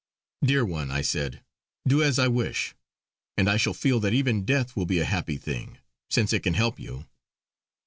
"Dear one" I said "do as I wish, and I shall feel that even death will be a happy thing, since it can help you."